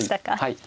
はい。